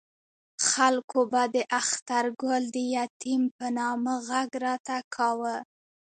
خلکو به د اخترګل د یتیم په نامه غږ راته کاوه.